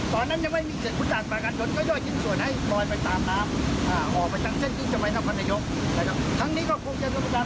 ตอนนั้นยังไม่มีเคลื่อนขุนด่านประการชน